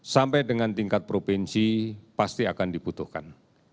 sampai dengan tingkat provinsi pasti akan dibutuhkan